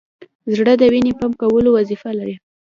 زړه د وینې پمپ کولو وظیفه لري.